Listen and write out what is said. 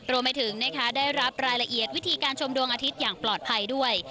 รวมไปถึงได้รับรายละเอียดวิธีการชมดวงอาทิตย์อย่างปลอดภัยด้วย